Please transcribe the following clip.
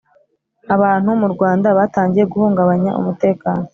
abantu mu Rwanda batangiye guhungabanya umutekano